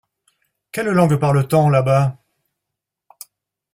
Quelle langue parle-t-on là-bas ?